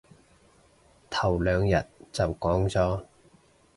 頭兩日就講咗